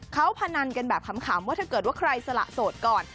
เขาพนันกันแบบขำว่าถ้าเกิดว่าใครสละโสดก่อน